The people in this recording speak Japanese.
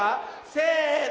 せの。